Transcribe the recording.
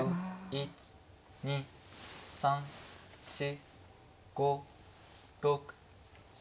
１２３４５６７。